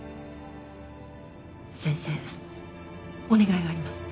先生お願いがあります。